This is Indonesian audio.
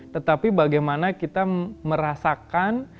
tetapi bagaimana kita merasakan